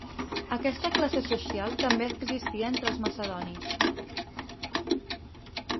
Aquesta classe social també existia entre els macedonis.